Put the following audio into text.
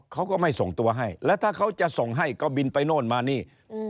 เขาก็ไม่ส่งตัวให้แล้วถ้าเขาจะส่งให้ก็บินไปโน่นมานี่